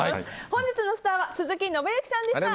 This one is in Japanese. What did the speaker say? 本日のスター鈴木伸之さんでした。